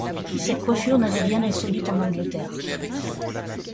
Cette coiffure n’avait rien d’insolite en Angleterre.